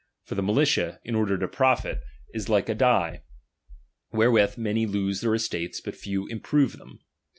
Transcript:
For the miUtia, in order to ^H profit, is like a die ; wherewith many lose their ^H estates, but few improve them.